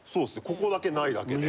ここだけないだけで。